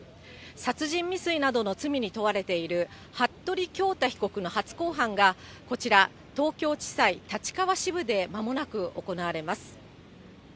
殺人未遂などの罪に問われている服部恭太被告の初公判が、こちら、東京地裁立川支部でまもなく行われます。